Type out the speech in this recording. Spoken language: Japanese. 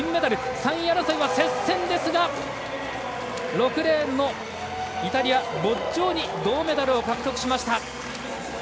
３位争いは接戦ですが６レーンのイタリア、ボッジョーニ銅メダルを獲得しました。